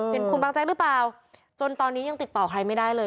เป็นคุณบางแจ๊กหรือเปล่าจนตอนนี้ยังติดต่อใครไม่ได้เลย